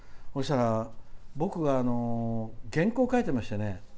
そしたら僕が原稿書いてましてね。